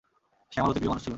সে আমার অতি প্রিয় মানুষ ছিল।